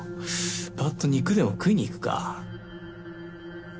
パっと肉でも食いに行くか。